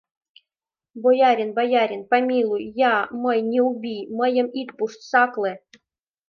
— Боярин, боярин, помилуй... я... мый... не убий... мыйым ит пушт, сакле...